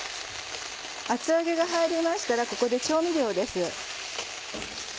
厚揚げが入りましたらここで調味料です。